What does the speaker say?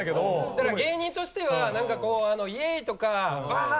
だから芸人としては何かこうイエー！！とかワハハ！